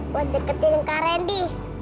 buat deketin kak randy